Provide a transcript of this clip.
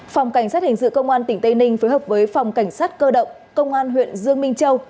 phòng cảnh sát hình sự công an tỉnh tây ninh phối hợp với phòng cảnh sát cơ động công an huyện dương minh châu